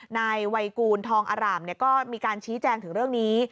นายวัยกูลทองอร่ามก็มีการชี้แจงถึงเรื่องนี้